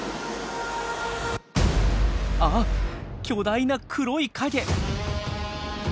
あっ巨大な黒い影！